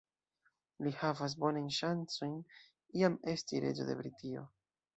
Li havas bonajn ŝancojn iam esti reĝo de Britio.